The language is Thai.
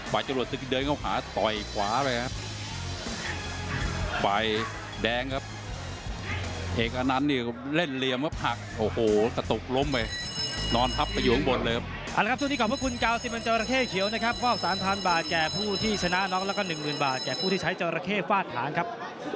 พี่สนานกแล้วก็หนึ่งหนึ่งบาทแก่ผู้ที่ใช้เจ้าระเข้ฝ้าฐานครับ